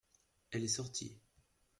Elle est sortie.